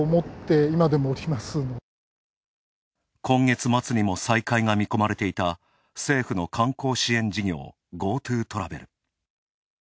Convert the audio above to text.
今月末にも再開が見込まれていた政府の観光支援事業、「ＧｏＴｏトラベル」。